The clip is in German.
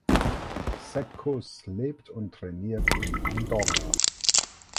Sepp Kuss lebt und trainiert in Andorra.